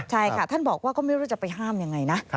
ใช่ค่ะท่านบอกว่าก็ไม่รู้จะไปห้ามยังไงนะ